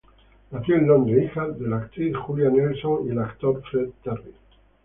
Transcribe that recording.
Nació en Londres, hija de la actriz Julia Neilson y el actor Fred Terry.